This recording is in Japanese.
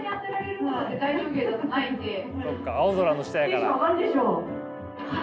そっか青空の下やから。